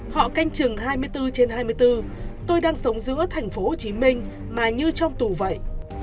họ canh chừng hai mươi bốn trên hai mươi bốn tôi đang sống giữa thành phố hồ chí minh mà như trong tù vậy